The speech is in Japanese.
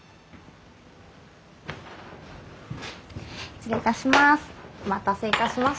失礼いたします。